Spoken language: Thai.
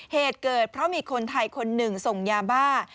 เหตุเกิดเพราะมีคนไทยคนหนึ่งส่งยาบ้า